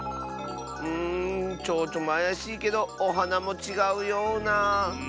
うんちょうちょもあやしいけどおはなもちがうような。